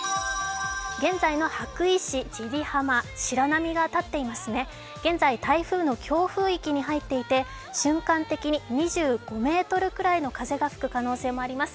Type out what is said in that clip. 現在の羽咋市千里浜、白波が立っていますね、現在台風の強風域に入っていて強い風が吹く可能性があります。